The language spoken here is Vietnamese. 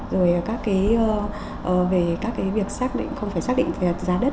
rồi các cái việc xác định không phải xác định về giá đất